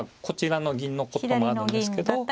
こちらの銀のこともあるんですけど。